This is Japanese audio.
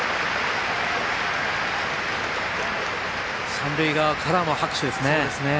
三塁側からも拍手ですね。